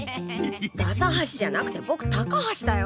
ダサ橋じゃなくてぼく高橋だよ。